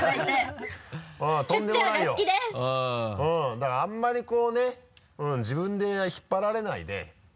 だからあんまりこうね自分で引っ張られないで。